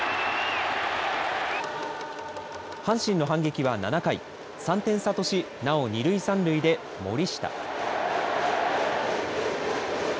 阪神の反撃は７回３点差としなお二塁三塁で森下。